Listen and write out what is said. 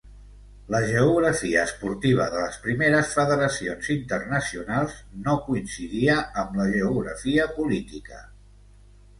La geografia esportiva de les primeres federacions internacionals no coincidia amb la geografia política.